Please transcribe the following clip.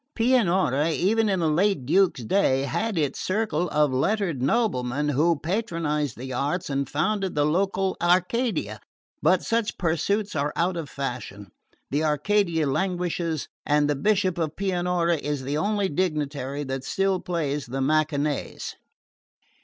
Pianura, even in the late Duke's day, had its circle of lettered noblemen who patronised the arts and founded the local Arcadia; but such pursuits are out of fashion, the Arcadia languishes, and the Bishop of Pianura is the only dignitary that still plays the Mecaenas.